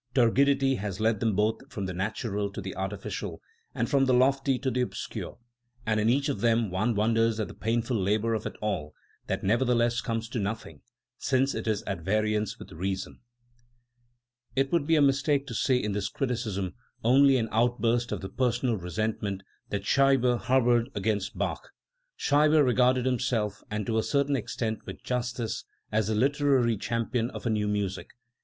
Turgidity has led them both from the natural to the artificial, and from the lofty to the obscure; and in each of them one wonders at the painful labour of it all, that nevertheless comes to nothing, since it is at variance with reason/ It would be a mistake to see in this criticism only an outburst of the personal resentment that Scheibe har boured against Bach. Scheibe regarded himself and to a certain extent with justice as the literary cham pion of a new music.